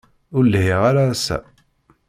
Ur lhiɣ ara ass-a.